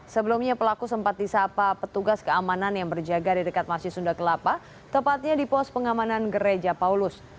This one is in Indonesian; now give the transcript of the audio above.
sebelumnya pelaku sempat disapa petugas keamanan yang berjaga di dekat masjid sunda kelapa tepatnya di pos pengamanan gereja paulus